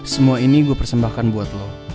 semua ini gue persembahkan buat lo